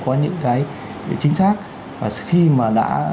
có những cái chính xác và khi mà đã